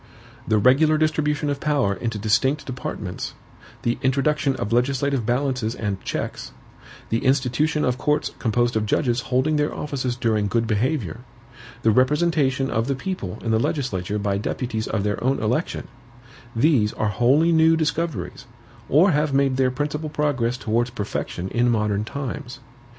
The regular distribution of power into distinct departments; the introduction of legislative balances and checks; the institution of courts composed of judges holding their offices during good behavior; the representation of the people in the legislature by deputies of their own election: these are wholly new discoveries, or have made their principal progress towards perfection in modern times.